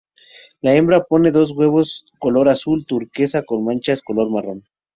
La hembra pone dos huevos color azul turquesa con manchas color marrón.